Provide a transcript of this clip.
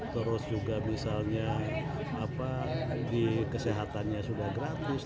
terus juga misalnya di kesehatannya sudah gratis